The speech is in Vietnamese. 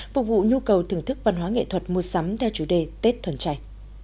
phục vụ nhu cầu thưởng thức văn hóa nghệ thuật mua sắm theo chủ đề tết thuần chay